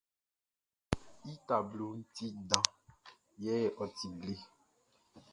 Klasiʼn i tabloʼn ti dan yɛ ɔ ti ble.